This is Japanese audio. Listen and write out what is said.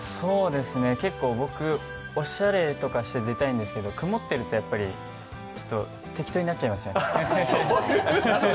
結構、僕おしゃれとかして出たいんですけど曇ってると、ちょっと適当になっちゃいますよね。